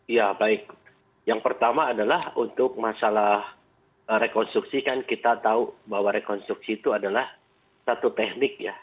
ya baik yang pertama adalah untuk masalah rekonstruksi kan kita tahu bahwa rekonstruksi itu adalah satu teknik ya